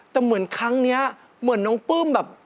แต่เหมือนครั้งนี้เหมือนน้องปลื้มแบบ